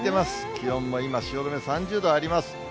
気温も今、汐留３０度あります。